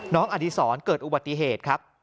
อดีศรเกิดอุบัติเหตุครับ